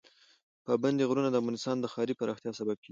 پابندی غرونه د افغانستان د ښاري پراختیا سبب کېږي.